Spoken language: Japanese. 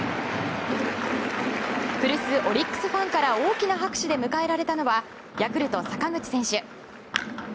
古巣オリックスファンから大きな拍手で迎えられたのはヤクルト、坂口選手。